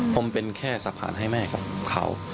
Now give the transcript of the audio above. ผมเป็นแค่สะพานให้แม่กับเขา